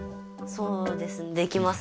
そうですねできます？